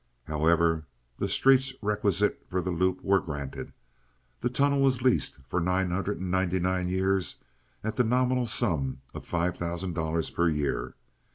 However, the streets requisite for the loop were granted. The tunnel was leased for nine hundred and ninety nine years at the nominal sum of five thousand dollars per year.